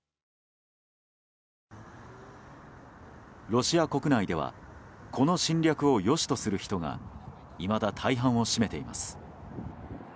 ロシア国内ではこの侵略を良しとする人がいまだ大半を占めています。